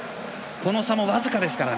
この差も僅かですからね。